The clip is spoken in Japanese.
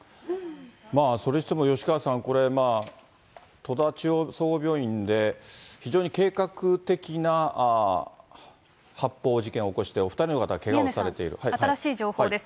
まあそれにしても吉川さん、これまあ、戸田中央総合病院で、非常に計画的な発砲事件を起こして、お２人の方がけがをされてい宮根さん、新しい情報です。